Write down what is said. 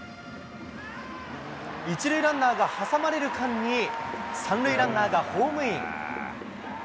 １塁ランナーが挟まれる間に、３塁ランナーがホームイン。